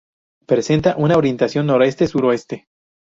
Presenta una orientación noreste-suroeste.